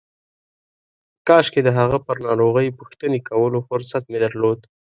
کاشکې د هغه پر ناروغۍ پوښتنې کولو فرصت مې درلود.